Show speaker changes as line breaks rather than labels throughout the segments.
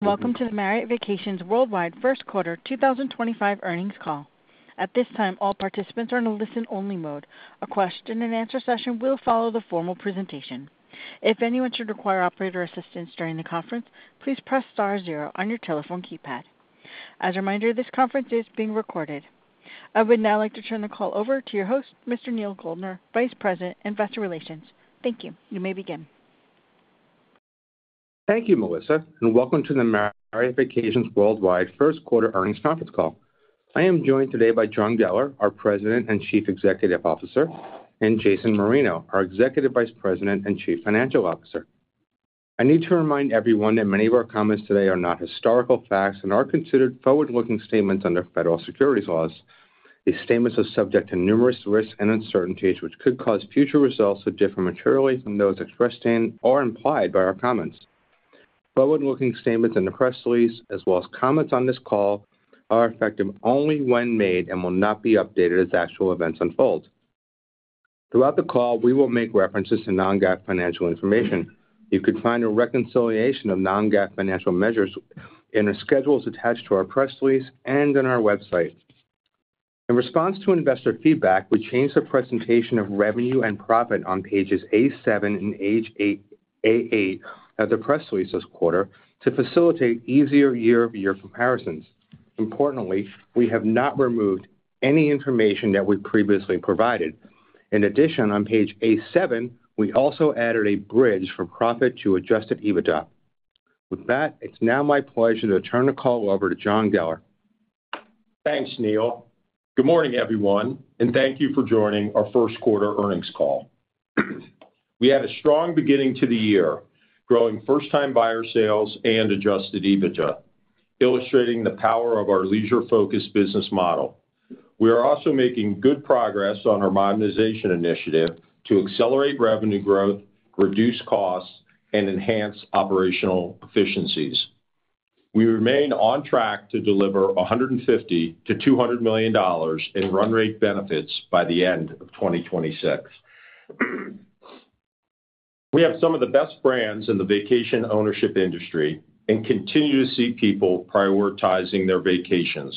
Welcome to the Marriott Vacations Worldwide First Quarter 2025 Earnings Call. At this time, all participants are in a listen-only mode. A question-and-answer session will follow the formal presentation. If anyone should require operator assistance during the conference, please press star zero on your telephone keypad. As a reminder, this conference is being recorded. I would now like to turn the call over to your host, Mr. Neal Goldner, Vice President, Investor Relations. Thank you. You may begin.
Thank you, Melissa, and welcome to the Marriott Vacations Worldwide first quarter earnings conference call. I am joined today by John Geller, our President and Chief Executive Officer, and Jason Marino, our Executive Vice President and Chief Financial Officer. I need to remind everyone that many of our comments today are not historical facts and are considered forward-looking statements under federal securities laws. These statements are subject to numerous risks and uncertainties, which could cause future results to differ materially from those expressed in or implied by our comments. Forward-looking statements and press releases, as well as comments on this call, are effective only when made and will not be updated as actual events unfold. Throughout the call, we will make references to non-GAAP financial information. You can find a reconciliation of non-GAAP financial measures in our schedules attached to our press release and on our website. In response to investor feedback, we changed the presentation of revenue and profit on pages A7 and A8 of the press release this quarter to facilitate easier year-over-year comparisons. Importantly, we have not removed any information that we previously provided. In addition, on page A7, we also added a bridge for profit to adjusted EBITDA. With that, it's now my pleasure to turn the call over to John Geller.
Thanks, Neal. Good morning, everyone, and thank you for joining our first quarter earnings call. We had a strong beginning to the year, growing first-time buyer sales and adjusted EBITDA, illustrating the power of our leisure-focused business model. We are also making good progress on our modernization initiative to accelerate revenue growth, reduce costs, and enhance operational efficiencies. We remain on track to deliver $150 million-$200 million in run rate benefits by the end of 2026. We have some of the best brands in the vacation ownership industry and continue to see people prioritizing their vacations,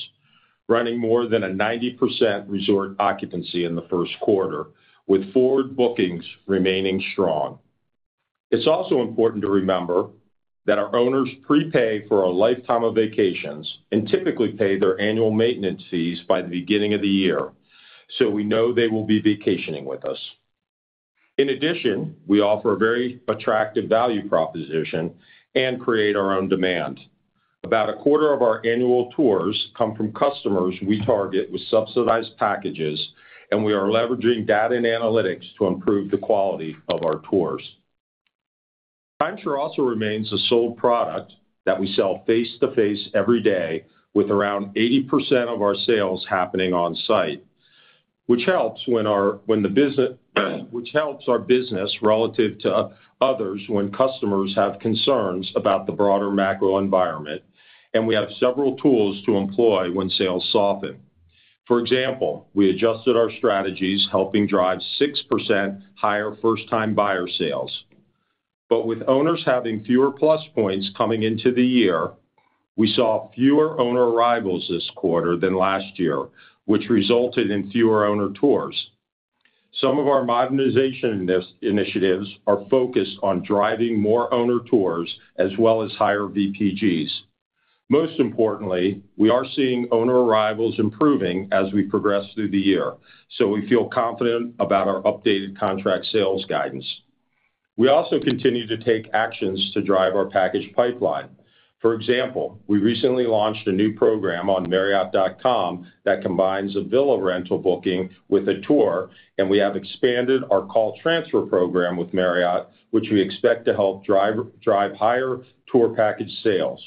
running more than a 90% resort occupancy in the first quarter, with forward bookings remaining strong. It's also important to remember that our owners prepay for a lifetime of vacations and typically pay their annual maintenance fees by the beginning of the year, so we know they will be vacationing with us. In addition, we offer a very attractive value proposition and create our own demand. About a quarter of our annual tours come from customers we target with subsidized packages, and we are leveraging data and analytics to improve the quality of our tours. Timeshare also remains a sold product that we sell face-to-face every day, with around 80% of our sales happening on-site, which helps when our business relative to others when customers have concerns about the broader macro environment, and we have several tools to employ when sales soften. For example, we adjusted our strategies, helping drive 6% higher first-time buyer sales. With owners having fewer plus points coming into the year, we saw fewer owner arrivals this quarter than last year, which resulted in fewer owner tours. Some of our modernization initiatives are focused on driving more owner tours as well as higher VPGs. Most importantly, we are seeing owner arrivals improving as we progress through the year, so we feel confident about our updated contract sales guidance. We also continue to take actions to drive our package pipeline. For example, we recently launched a new program on marriott.com that combines a villa rental booking with a tour, and we have expanded our call transfer program with Marriott, which we expect to help drive higher tour package sales.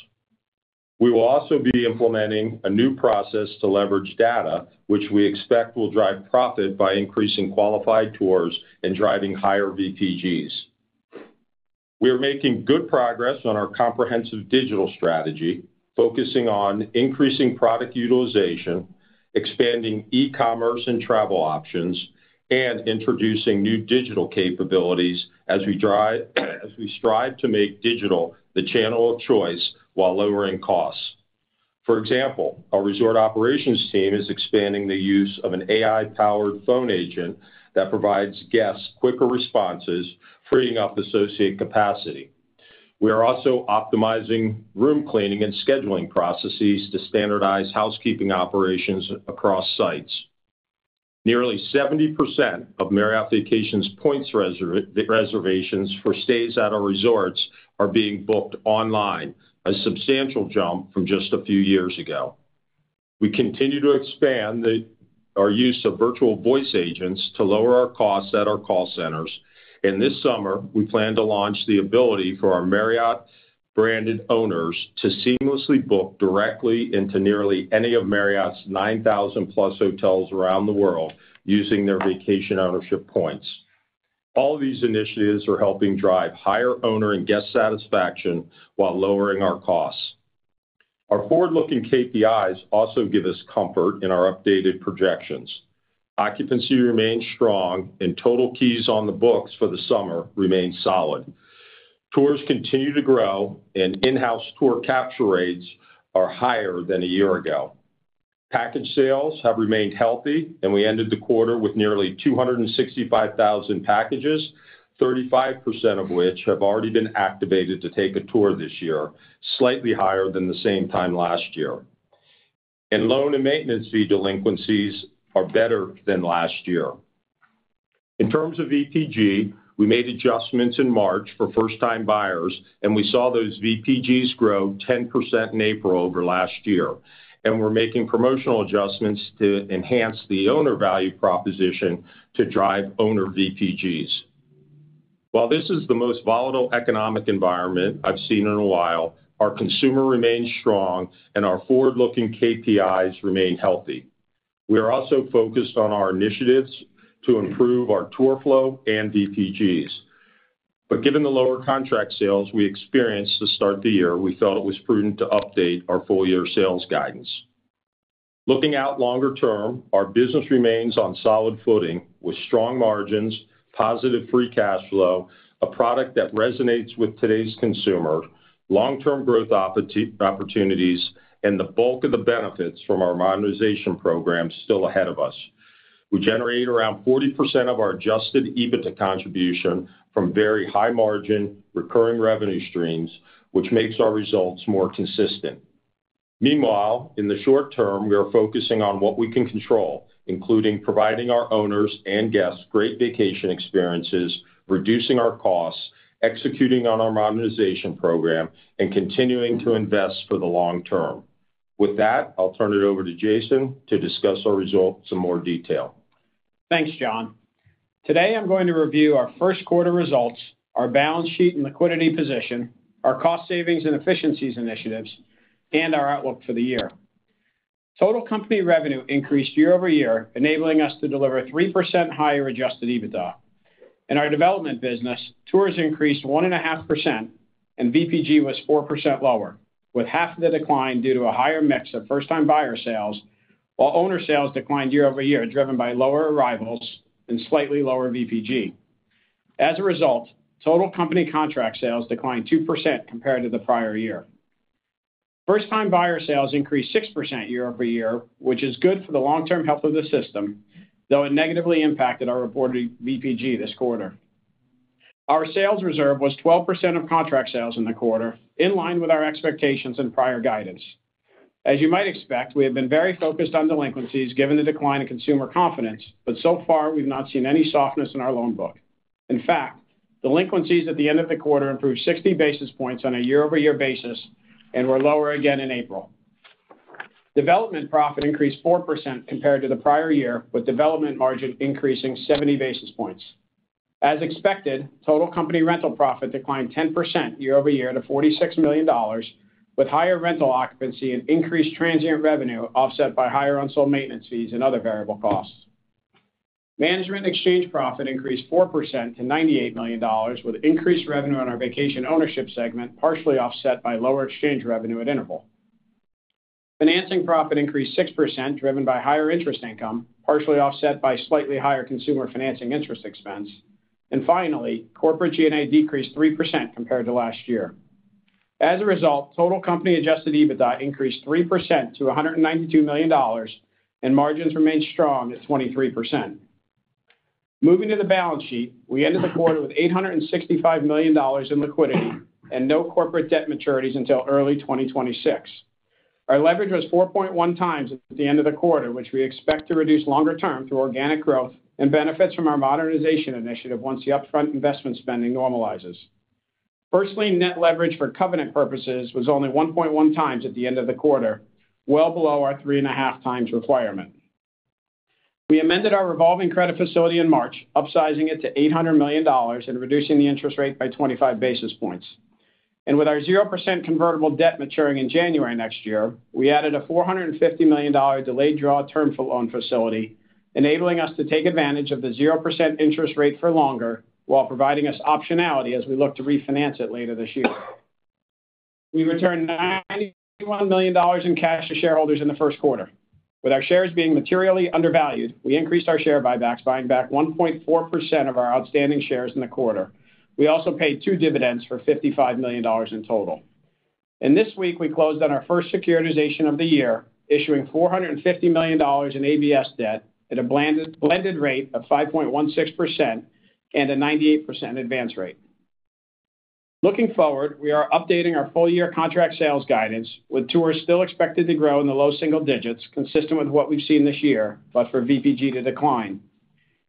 We will also be implementing a new process to leverage data, which we expect will drive profit by increasing qualified tours and driving higher VPGs. We are making good progress on our comprehensive digital strategy, focusing on increasing product utilization, expanding e-commerce and travel options, and introducing new digital capabilities as we strive to make digital the channel of choice while lowering costs. For example, our resort operations team is expanding the use of an AI-powered phone agent that provides guests quicker responses, freeing up associate capacity. We are also optimizing room cleaning and scheduling processes to standardize housekeeping operations across sites. Nearly 70% of Marriott Vacations' points reservations for stays at our resorts are being booked online, a substantial jump from just a few years ago. We continue to expand our use of virtual voice agents to lower our costs at our call centers, and this summer, we plan to launch the ability for our Marriott-branded owners to seamlessly book directly into nearly any of Marriott's 9,000-plus hotels around the world using their vacation ownership points. All these initiatives are helping drive higher owner and guest satisfaction while lowering our costs. Our forward-looking KPIs also give us comfort in our updated projections. Occupancy remains strong, and total keys on the books for the summer remain solid. Tours continue to grow, and in-house tour capture rates are higher than a year ago. Package sales have remained healthy, and we ended the quarter with nearly 265,000 packages, 35% of which have already been activated to take a tour this year, slightly higher than the same time last year. Loan and maintenance fee delinquencies are better than last year. In terms of VPG, we made adjustments in March for first-time buyers, and we saw those VPGs grow 10% in April over last year. We are making promotional adjustments to enhance the owner value proposition to drive owner VPGs. While this is the most volatile economic environment I have seen in a while, our consumer remains strong, and our forward-looking KPIs remain healthy. We are also focused on our initiatives to improve our tour flow and VPGs. Given the lower contract sales we experienced to start the year, we felt it was prudent to update our full-year sales guidance. Looking out longer term, our business remains on solid footing with strong margins, positive free cash flow, a product that resonates with today's consumer, long-term growth opportunities, and the bulk of the benefits from our modernization programs still ahead of us. We generate around 40% of our adjusted EBITDA contribution from very high-margin recurring revenue streams, which makes our results more consistent. Meanwhile, in the short term, we are focusing on what we can control, including providing our owners and guests great vacation experiences, reducing our costs, executing on our modernization program, and continuing to invest for the long term. With that, I'll turn it over to Jason to discuss our results in more detail.
Thanks, John. Today, I'm going to review our first quarter results, our balance sheet and liquidity position, our cost savings and efficiencies initiatives, and our outlook for the year. Total company revenue increased year-over-year, enabling us to deliver 3% higher adjusted EBITDA. In our development business, tours increased 1.5%, and VPG was 4% lower, with half of the decline due to a higher mix of first-time buyer sales, while owner sales declined year-over-year, driven by lower arrivals and slightly lower VPG. As a result, total company contract sales declined 2% compared to the prior year. First-time buyer sales increased 6% year-over-year, which is good for the long-term health of the system, though it negatively impacted our reported VPG this quarter. Our sales reserve was 12% of contract sales in the quarter, in line with our expectations and prior guidance. As you might expect, we have been very focused on delinquencies given the decline in consumer confidence, but so far, we've not seen any softness in our loan book. In fact, delinquencies at the end of the quarter improved 60 basis points on a year-over-year basis and were lower again in April. Development profit increased 4% compared to the prior year, with development margin increasing 70 basis points. As expected, total company rental profit declined 10% year-over-year to $46 million, with higher rental occupancy and increased transient revenue offset by higher unsold maintenance fees and other variable costs. Management exchange profit increased 4% to $98 million, with increased revenue on our vacation ownership segment, partially offset by lower exchange revenue at Interval. Financing profit increased 6%, driven by higher interest income, partially offset by slightly higher consumer financing interest expense. Finally, corporate G&A decreased 3% compared to last year. As a result, total company adjusted EBITDA increased 3% to $192 million, and margins remained strong at 23%. Moving to the balance sheet, we ended the quarter with $865 million in liquidity and no corporate debt maturities until early 2026. Our leverage was 4.1 times at the end of the quarter, which we expect to reduce longer term through organic growth and benefits from our modernization initiative once the upfront investment spending normalizes. First-lien net leverage for covenant purposes was only 1.1 times at the end of the quarter, well below our 3.5 times requirement. We amended our revolving credit facility in March, upsizing it to $800 million and reducing the interest rate by 25 basis points. With our 0% convertible debt maturing in January next year, we added a $450 million delayed draw term loan facility, enabling us to take advantage of the 0% interest rate for longer while providing us optionality as we look to refinance it later this year. We returned $91 million in cash to shareholders in the first quarter. With our shares being materially undervalued, we increased our share buybacks, buying back 1.4% of our outstanding shares in the quarter. We also paid two dividends for $55 million in total. This week, we closed on our first securitization of the year, issuing $450 million in ABS debt at a blended rate of 5.16% and a 98% advance rate. Looking forward, we are updating our full-year contract sales guidance, with tours still expected to grow in the low single digits, consistent with what we've seen this year, but for VPG to decline.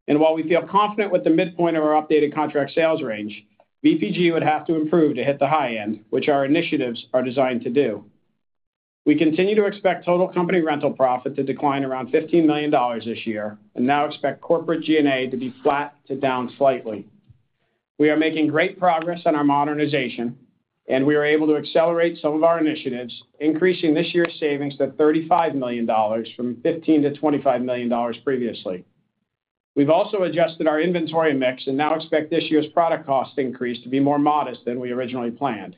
While we feel confident with the midpoint of our updated contract sales range, VPG would have to improve to hit the high end, which our initiatives are designed to do. We continue to expect total company rental profit to decline around $15 million this year and now expect corporate G&A to be flat to down slightly. We are making great progress on our modernization, and we are able to accelerate some of our initiatives, increasing this year's savings to $35 million from $15 million-$25 million previously. We've also adjusted our inventory mix and now expect this year's product cost increase to be more modest than we originally planned.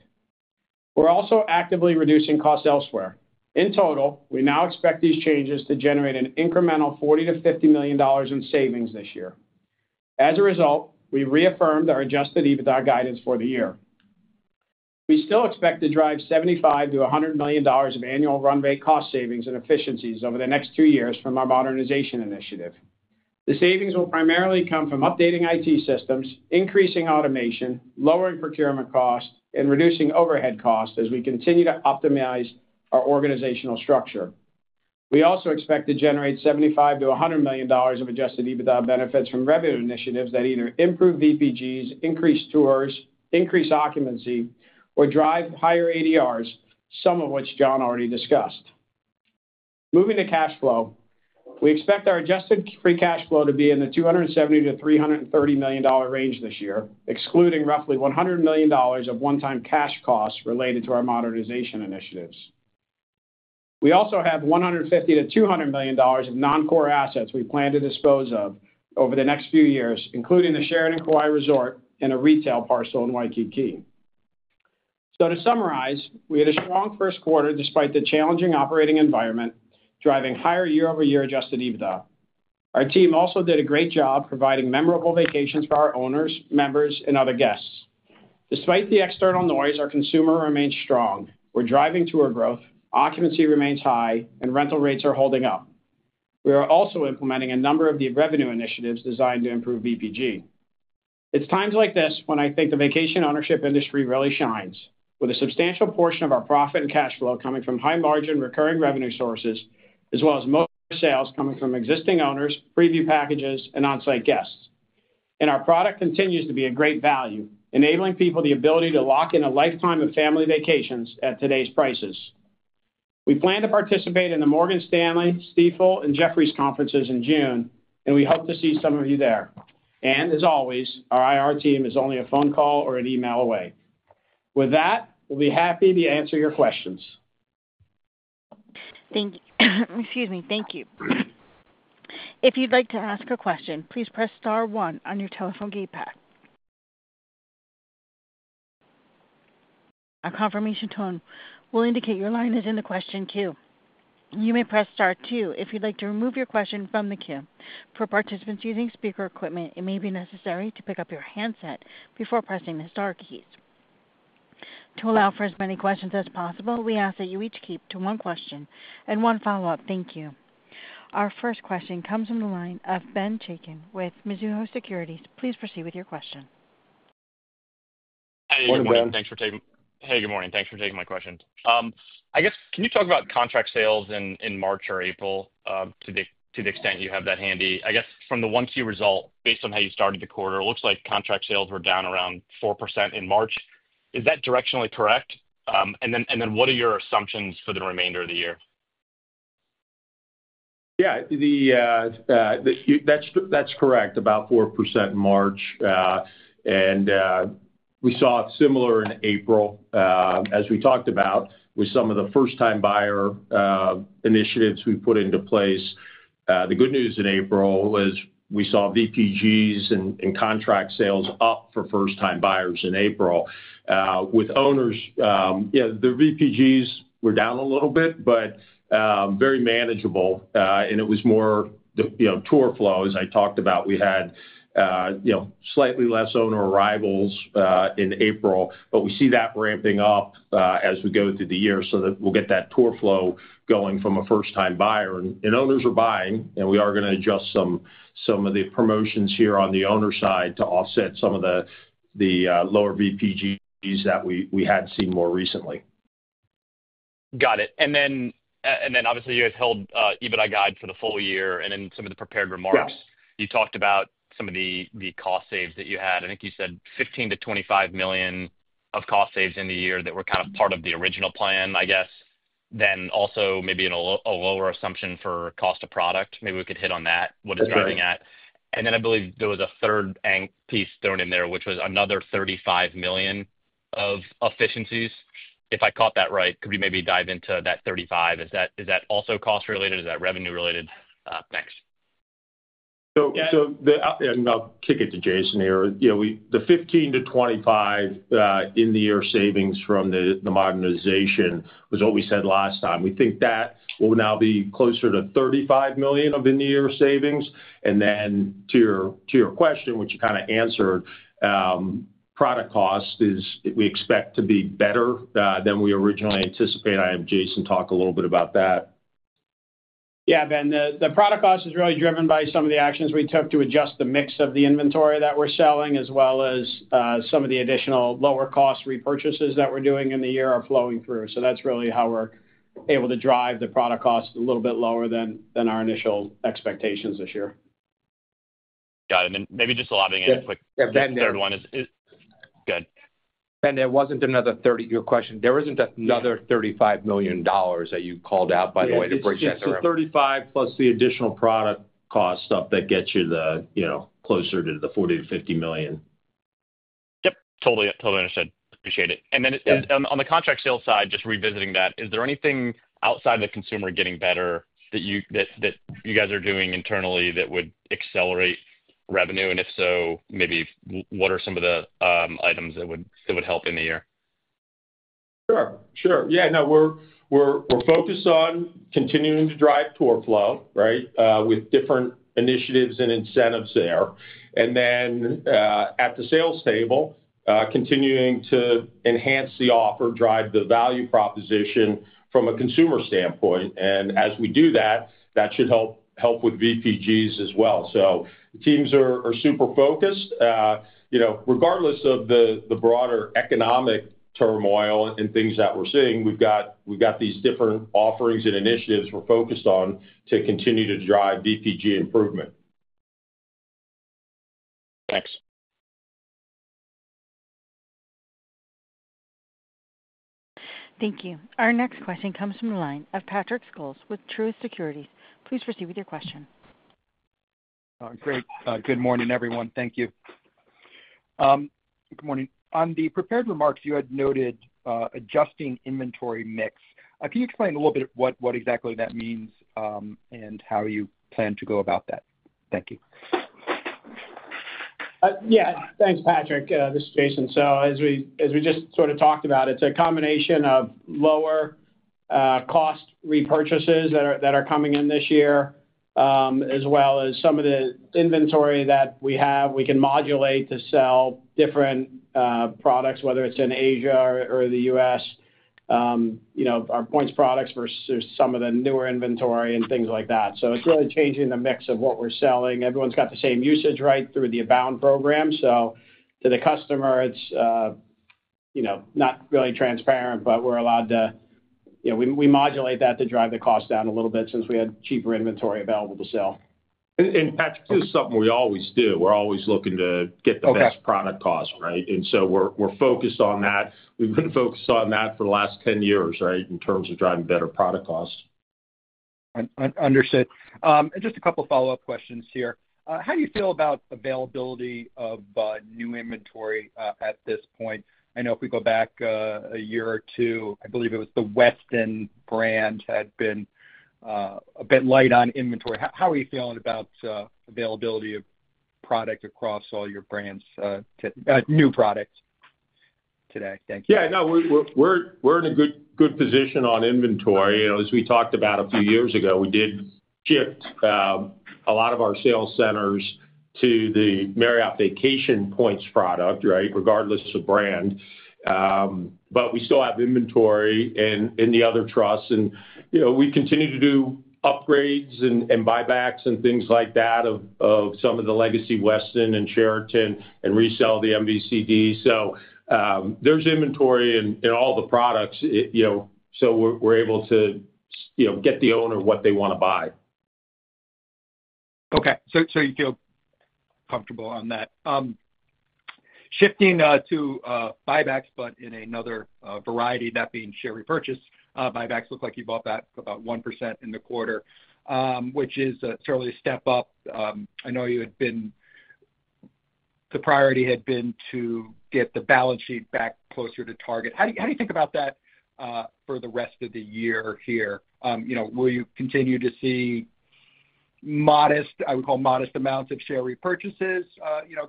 We're also actively reducing costs elsewhere. In total, we now expect these changes to generate an incremental $40 million-$50 million in savings this year. As a result, we reaffirmed our adjusted EBITDA guidance for the year. We still expect to drive $75 million-$100 million of annual run rate cost savings and efficiencies over the next two years from our modernization initiative. The savings will primarily come from updating IT systems, increasing automation, lowering procurement costs, and reducing overhead costs as we continue to optimize our organizational structure. We also expect to generate $75 million-$100 million of adjusted EBITDA benefits from revenue initiatives that either improve VPGs, increase tours, increase occupancy, or drive higher ADRs, some of which John already discussed. Moving to cash flow, we expect our adjusted free cash flow to be in the $270 million-$330 million range this year, excluding roughly $100 million of one-time cash costs related to our modernization initiatives. We also have $150 million-$200 million of non-core assets we plan to dispose of over the next few years, including the Sheraton Kauai Resort and a retail parcel in Waikiki. To summarize, we had a strong first quarter despite the challenging operating environment, driving higher year-over-year adjusted EBITDA. Our team also did a great job providing memorable vacations for our owners, members, and other guests. Despite the external noise, our consumer remains strong. We're driving tour growth, occupancy remains high, and rental rates are holding up. We are also implementing a number of the revenue initiatives designed to improve VPG. It's times like this when I think the vacation ownership industry really shines, with a substantial portion of our profit and cash flow coming from high-margin recurring revenue sources, as well as most sales coming from existing owners, preview packages, and on-site guests. Our product continues to be a great value, enabling people the ability to lock in a lifetime of family vacations at today's prices. We plan to participate in the Morgan Stanley, Stifel, and Jefferies conferences in June, and we hope to see some of you there. As always, our IR team is only a phone call or an email away. With that, we'll be happy to answer your questions.
Thank you. Excuse me. Thank you. If you'd like to ask a question, please press star one on your telephone keypad. A confirmation tone will indicate your line is in the question queue. You may press star two if you'd like to remove your question from the queue. For participants using speaker equipment, it may be necessary to pick up your handset before pressing the star keys. To allow for as many questions as possible, we ask that you each keep to one question and one follow-up. Thank you. Our first question comes from the line of Ben Chaiken with Mizuho Securities. Please proceed with your question.
Morning, Ben.
Thanks for taking my question. I guess, can you talk about contract sales in March or April to the extent you have that handy? I guess from the one key result, based on how you started the quarter, it looks like contract sales were down around 4% in March. Is that directionally correct? What are your assumptions for the remainder of the year?
Yeah. That's correct. About 4% in March. We saw similar in April, as we talked about, with some of the first-time buyer initiatives we put into place. The good news in April was we saw VPGs and contract sales up for first-time buyers in April. With owners, the VPGs were down a little bit, but very manageable. It was more tour flow, as I talked about. We had slightly less owner arrivals in April, but we see that ramping up as we go through the year so that we'll get that tour flow going from a first-time buyer. Owners are buying, and we are going to adjust some of the promotions here on the owner side to offset some of the lower VPGs that we had seen more recently.
Got it. Obviously, you guys held EBITDA guide for the full year. In some of the prepared remarks, you talked about some of the cost saves that you had. I think you said $15 million-$25 million of cost saves in the year that were kind of part of the original plan, I guess. Also maybe a lower assumption for cost of product. Maybe we could hit on that, what it is driving at. I believe there was a third piece thrown in there, which was another $35 million of efficiencies. If I caught that right, could we maybe dive into that $35 million? Is that also cost-related? Is that revenue-related? Thanks.
I'll kick it to Jason here. The $15 million-$25 million in-the-year savings from the modernization was what we said last time. We think that will now be closer to $35 million of in-the-year savings. To your question, which you kind of answered, product cost is, we expect to be better than we originally anticipated. I have Jason talk a little bit about that.
Yeah, Ben. The product cost is really driven by some of the actions we took to adjust the mix of the inventory that we're selling, as well as some of the additional lower-cost repurchases that we're doing in the year are flowing through. That's really how we're able to drive the product cost a little bit lower than our initial expectations this year.
Got it. And then maybe just allowing a quick third one is good.
Ben, there wasn't another 30-year question. There isn't another $35 million that you called out, by the way, to break that down.
Yeah, it's the $35 million plus the additional product cost stuff that gets you closer to the $40 million-$50 million.
Yep. Totally understood. Appreciate it. On the contract sales side, just revisiting that, is there anything outside the consumer getting better that you guys are doing internally that would accelerate revenue? If so, maybe what are some of the items that would help in the year?
Sure. Sure. Yeah. No, we're focused on continuing to drive tour flow, right, with different initiatives and incentives there. At the sales table, continuing to enhance the offer, drive the value proposition from a consumer standpoint. As we do that, that should help with VPGs as well. The teams are super focused. Regardless of the broader economic turmoil and things that we're seeing, we've got these different offerings and initiatives we're focused on to continue to drive VPG improvement.
Thanks.
Thank you. Our next question comes from the line of Patrick Scholes with Truist Securities. Please proceed with your question.
Great. Good morning, everyone. Thank you. Good morning. On the prepared remarks, you had noted adjusting inventory mix. Can you explain a little bit what exactly that means and how you plan to go about that? Thank you.
Yeah. Thanks, Patrick. This is Jason. As we just sort of talked about, it's a combination of lower-cost repurchases that are coming in this year, as well as some of the inventory that we have. We can modulate to sell different products, whether it's in Asia or the U.S., our points products versus some of the newer inventory and things like that. It's really changing the mix of what we're selling. Everyone's got the same usage right through the Abound program. To the customer, it's not really transparent, but we're allowed to modulate that to drive the cost down a little bit since we had cheaper inventory available to sell.
Patrick, this is something we always do. We are always looking to get the best product cost, right? We are focused on that. We have been focused on that for the last 10 years, right, in terms of driving better product costs.
Understood. Just a couple of follow-up questions here. How do you feel about availability of new inventory at this point? I know if we go back a year or two, I believe it was the Westin brand had been a bit light on inventory. How are you feeling about availability of product across all your brands, new products today? Thank you.
Yeah. No, we're in a good position on inventory. As we talked about a few years ago, we did shift a lot of our sales centers to the Marriott Vacation Points product, right, regardless of brand. We still have inventory in the other trusts. We continue to do upgrades and buybacks and things like that of some of the legacy Westin and Sheraton and resell the MVCD. There is inventory in all the products. We're able to get the owner what they want to buy.
Okay. So you feel comfortable on that. Shifting to buybacks, but in another variety, that being share repurchase. Buybacks look like you bought back about 1% in the quarter, which is certainly a step up. I know the priority had been to get the balance sheet back closer to target. How do you think about that for the rest of the year here? Will you continue to see modest, I would call modest amounts of share repurchases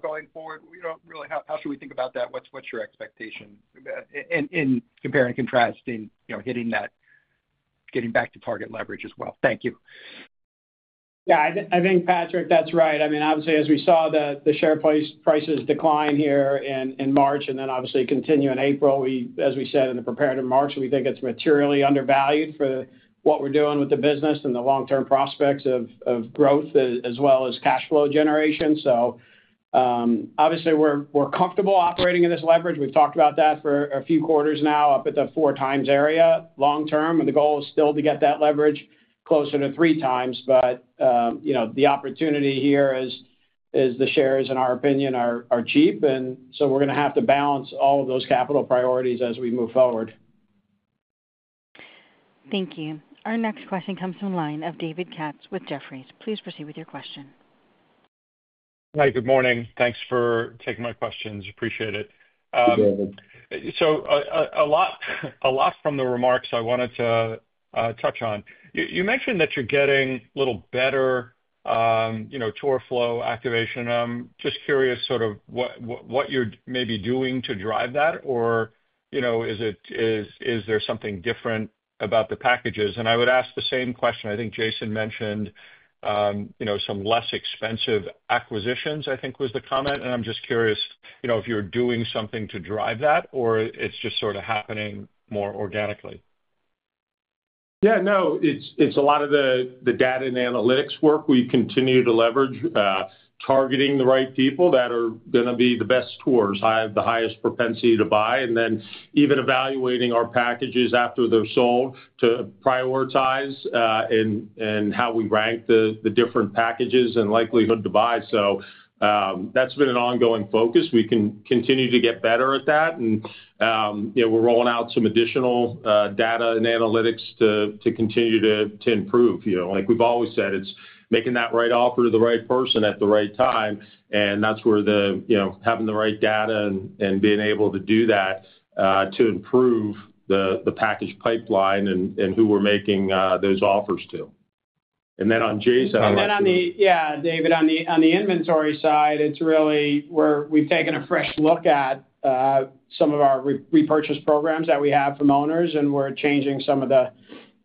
going forward? Really, how should we think about that? What's your expectation in compare and contrasting, getting back to target leverage as well? Thank you.
Yeah. I think, Patrick, that's right. I mean, obviously, as we saw the share prices decline here in March and then obviously continue in April, as we said in the prepared remarks, we think it's materially undervalued for what we're doing with the business and the long-term prospects of growth as well as cash flow generation. Obviously, we're comfortable operating in this leverage. We've talked about that for a few quarters now up at the four times area long term. The goal is still to get that leverage closer to three times. The opportunity here is the shares, in our opinion, are cheap. We're going to have to balance all of those capital priorities as we move forward.
Thank you. Our next question comes from the line of David Katz with Jefferies. Please proceed with your question.
Hi. Good morning. Thanks for taking my questions. Appreciate it. A lot from the remarks I wanted to touch on. You mentioned that you're getting a little better tour flow activation. I'm just curious sort of what you're maybe doing to drive that, or is there something different about the packages? I would ask the same question. I think Jason mentioned some less expensive acquisitions, I think was the comment. I'm just curious if you're doing something to drive that, or it's just sort of happening more organically.
Yeah. No, it's a lot of the data and analytics work we continue to leverage, targeting the right people that are going to be the best tours, have the highest propensity to buy, and then even evaluating our packages after they're sold to prioritize and how we rank the different packages and likelihood to buy. That's been an ongoing focus. We can continue to get better at that. We're rolling out some additional data and analytics to continue to improve. Like we've always said, it's making that right offer to the right person at the right time. That's where having the right data and being able to do that to improve the package pipeline and who we're making those offers to. Then on Jason's side.
Yeah, David, on the inventory side, it's really where we've taken a fresh look at some of our repurchase programs that we have from owners, and we're changing some of the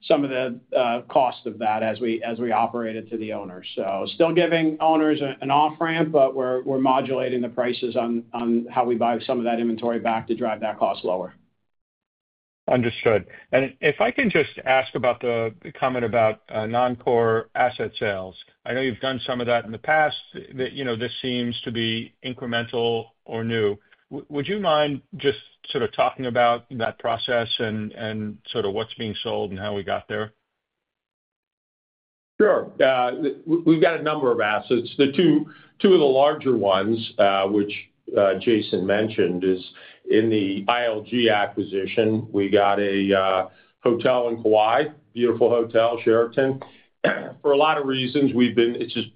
cost of that as we operate it to the owners. Still giving owners an off ramp, but we're modulating the prices on how we buy some of that inventory back to drive that cost lower.
Understood. If I can just ask about the comment about non-core asset sales. I know you've done some of that in the past. This seems to be incremental or new. Would you mind just sort of talking about that process and sort of what's being sold and how we got there?
Sure. We've got a number of assets. The two of the larger ones, which Jason mentioned, is in the ILG acquisition. We got a hotel in Kauai, beautiful hotel, Sheraton. For a lot of reasons, it's just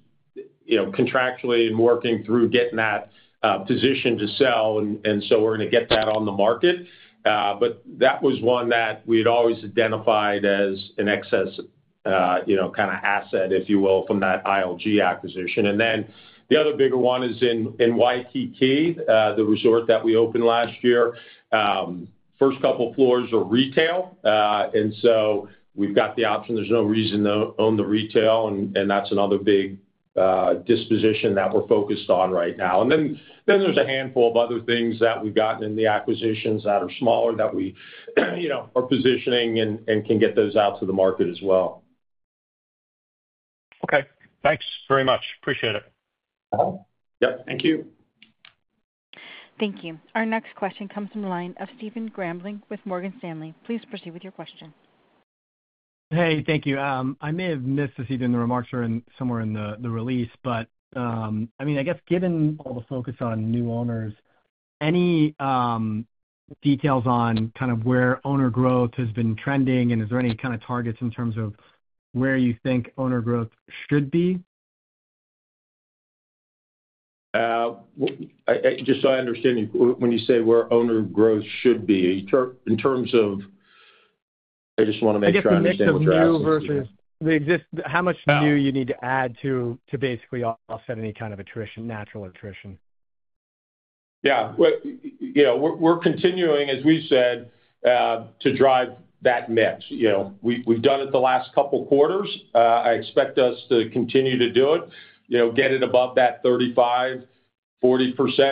contractually and working through getting that position to sell. We are going to get that on the market. That was one that we had always identified as an excess kind of asset, if you will, from that ILG acquisition. The other bigger one is in Waikiki, the resort that we opened last year. First couple of floors are retail. We have the option. There is no reason to own the retail. That is another big disposition that we are focused on right now. There is a handful of other things that we've gotten in the acquisitions that are smaller that we are positioning and can get those out to the market as well.
Okay. Thanks very much. Appreciate it.
Yep. Thank you.
Thank you. Our next question comes from the line of Stephen Grambling with Morgan Stanley. Please proceed with your question.
Hey, thank you. I may have missed the seed in the remarks somewhere in the release, but I mean, I guess given all the focus on new owners, any details on kind of where owner growth has been trending? Is there any kind of targets in terms of where you think owner growth should be?
Just so I understand you, when you say where owner growth should be in terms of, I just want to make sure I understand what you're asking.
How much new you need to add to basically offset any kind of attrition, natural attrition?
Yeah. We are continuing, as we said, to drive that mix. We have done it the last couple of quarters. I expect us to continue to do it. Get it above that 35%-40%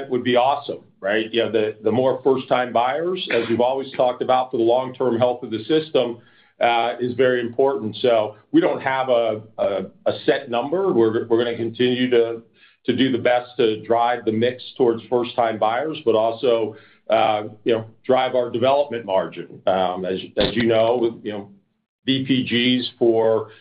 would be awesome, right? The more first-time buyers, as we have always talked about, for the long-term health of the system is very important. We do not have a set number. We are going to continue to do the best to drive the mix towards first-time buyers, but also drive our development margin. As you know, VPGs for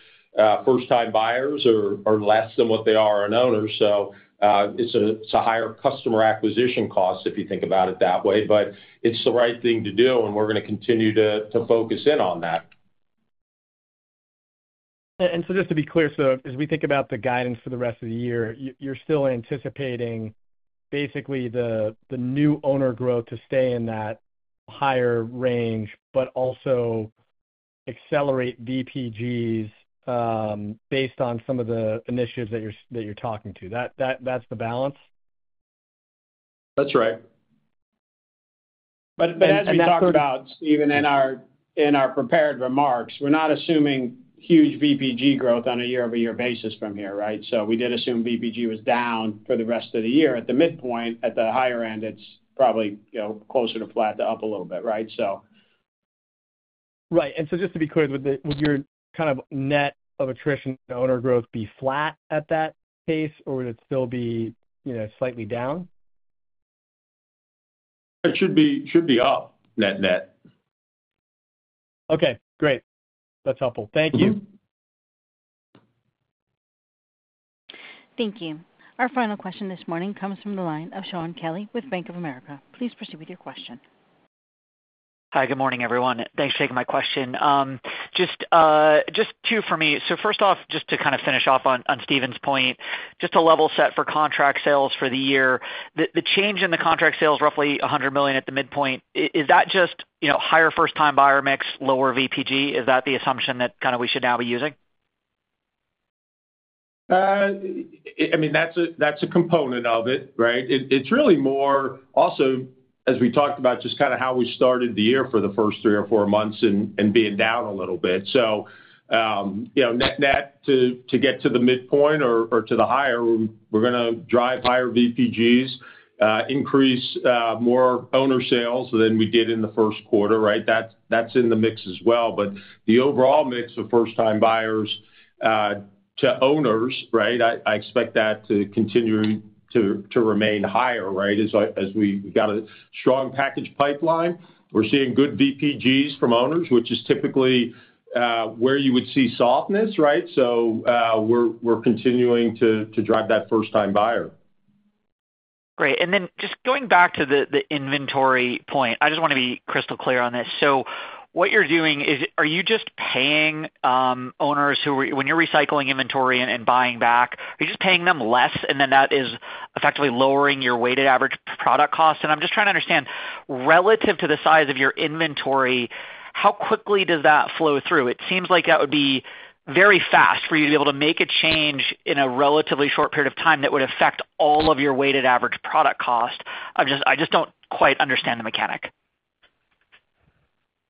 first-time buyers are less than what they are on owners. It is a higher customer acquisition cost if you think about it that way. It is the right thing to do, and we are going to continue to focus in on that.
Just to be clear, as we think about the guidance for the rest of the year, you're still anticipating basically the new owner growth to stay in that higher range, but also accelerate VPGs based on some of the initiatives that you're talking to. That's the balance?
That's right.
As we talked about, Stephen, in our prepared remarks, we're not assuming huge VPG growth on a year-over-year basis from here, right? We did assume VPG was down for the rest of the year. At the midpoint, at the higher end, it's probably closer to flat to up a little bit, right?
Right. And just to be clear, would your kind of net of attrition and owner growth be flat at that pace, or would it still be slightly down?
It should be up, net net.
Okay. Great. That's helpful. Thank you.
Thank you. Our final question this morning comes from the line of Shaun Kelley with Bank of America. Please proceed with your question.
Hi. Good morning, everyone. Thanks for taking my question. Just two for me. First off, just to kind of finish off on Stephen's point, just a level set for contract sales for the year. The change in the contract sales, roughly $100 million at the midpoint, is that just higher first-time buyer mix, lower VPG? Is that the assumption that kind of we should now be using?
I mean, that's a component of it, right? It's really more also, as we talked about, just kind of how we started the year for the first three or four months and being down a little bit. Net net to get to the midpoint or to the higher, we're going to drive higher VPGs, increase more owner sales than we did in the first quarter, right? That's in the mix as well. The overall mix of first-time buyers to owners, right, I expect that to continue to remain higher, right? As we've got a strong package pipeline, we're seeing good VPGs from owners, which is typically where you would see softness, right? We're continuing to drive that first-time buyer.
Great. Just going back to the inventory point, I just want to be crystal clear on this. What you are doing is, are you just paying owners who are, when you are recycling inventory and buying back, are you just paying them less? That is effectively lowering your weighted average product cost. I am just trying to understand, relative to the size of your inventory, how quickly does that flow through? It seems like that would be very fast for you to be able to make a change in a relatively short period of time that would affect all of your weighted average product cost. I just do not quite understand the mechanic.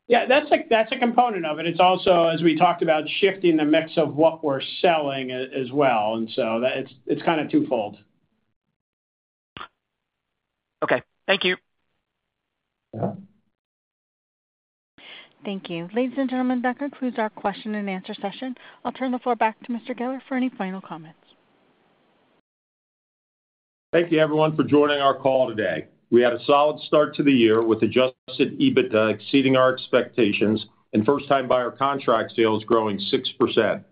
Yeah. That's a component of it. It is also, as we talked about, shifting the mix of what we are selling as well. It is kind of twofold.
Okay. Thank you.
Thank you. Ladies and gentlemen, that concludes our question and answer session. I'll turn the floor back to Mr. Geller for any final comments.
Thank you, everyone, for joining our call today. We had a solid start to the year with adjusted EBITDA exceeding our expectations and first-time buyer contract sales growing 6%.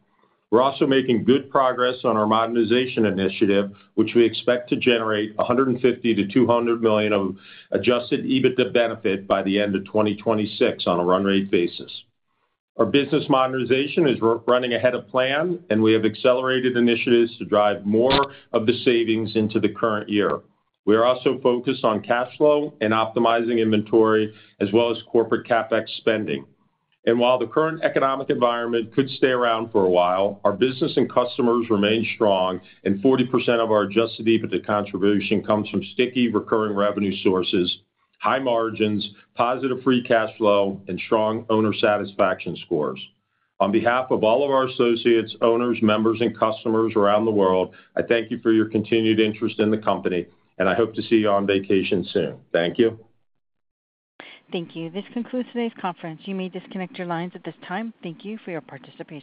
We are also making good progress on our modernization initiative, which we expect to generate $150 million-$200 million of adjusted EBITDA benefit by the end of 2026 on a run rate basis. Our business modernization is running ahead of plan, and we have accelerated initiatives to drive more of the savings into the current year. We are also focused on cash flow and optimizing inventory as well as corporate CapEx spending. While the current economic environment could stay around for a while, our business and customers remain strong, and 40% of our adjusted EBITDA contribution comes from sticky recurring revenue sources, high margins, positive free cash flow, and strong owner satisfaction scores. On behalf of all of our associates, owners, members, and customers around the world, I thank you for your continued interest in the company, and I hope to see you on vacation soon. Thank you.
Thank you. This concludes today's conference. You may disconnect your lines at this time. Thank you for your participation.